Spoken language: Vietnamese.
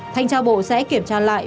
thanh trao bộ sẽ kiểm tra lại